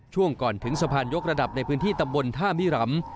ช่วงก่อนถึงสะพานยกระดับในพื้นที่ตำบลท่ามิรำ